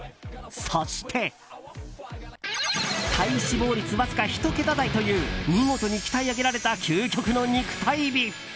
そして体脂肪率わずか１桁台という見事に鍛え上げられた究極の肉体美。